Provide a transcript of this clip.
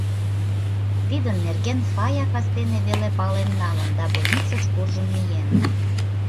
Тидын нерген Фая кастене веле пален налын да больницыш куржын миен.